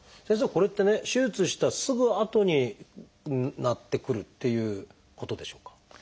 これってね手術したすぐあとになってくるっていうことでしょうか？